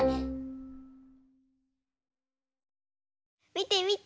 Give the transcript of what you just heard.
みてみて。